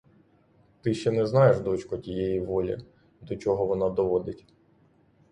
Ти ще не знаєш, дочко, тієї волі, до чого вона доводить.